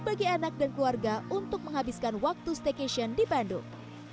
bagi anak dan keluarga untuk menghabiskan waktu staycation di bandung